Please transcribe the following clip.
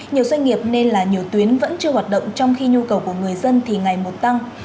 nhiều doanh nghiệp nên là nhiều tuyến vẫn chưa hoạt động trong khi nhu cầu của người dân thì ngày một tăng